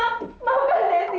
aku banyak habis itu